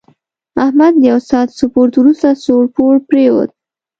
احمد له یوه ساعت سپورت ورسته سوړ پوړ پرېوت.